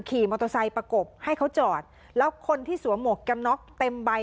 ขี่มอเตอร์ไซค์ประกบให้เขาจอดแล้วคนที่สวมหมวกกันน็อกเต็มใบ